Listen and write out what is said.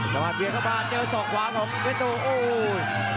จะมาเบียนเข้ามาเจอศอกขวานของเพชรสักบ้าน